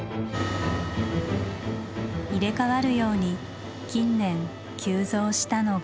入れ代わるように近年急増したのが。